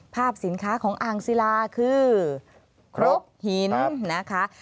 ภาพสินค้าของอ่างศิลาคือครกหินนะคะ